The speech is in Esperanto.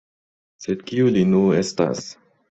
Sed kiu li nu estas?.